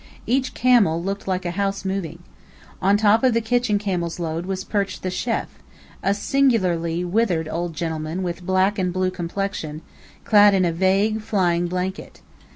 Each camel looked like a house moving. On top of the kitchen camel's load was perched the chêf, a singularly withered old gentleman with black and blue complexion, clad in a vague, flying blanket.